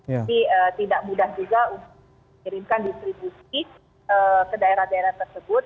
jadi tidak mudah juga untuk dikirimkan distribusi ke daerah daerah tersebut